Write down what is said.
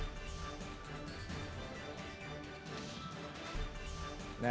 selanjut jelanya revolt us trug angcy presentegg dengan